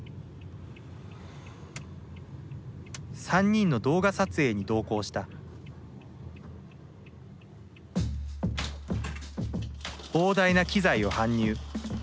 ３人の動画撮影に同行した膨大な機材を搬入。